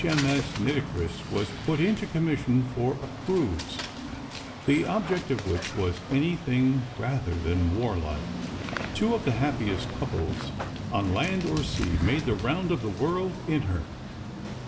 M.S. Nitocris was put into commission for a cruise, the object of which was anything rather than warlike. Two of the happiest couples on land or sea made the round of the world in her.